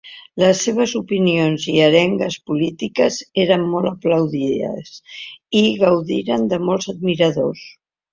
Les seves opinions i arengues polítiques eren molt aplaudides i gaudien de molts admiradors.